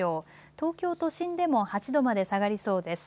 東京都心でも８度まで下がりそうです。